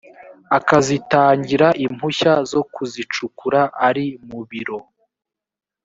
akazitangira impushya zo kuzicukura ari mubiro